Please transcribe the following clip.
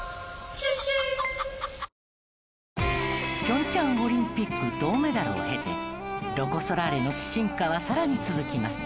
平昌オリンピック銅メダルを経てロコ・ソラーレの進化は更に続きます。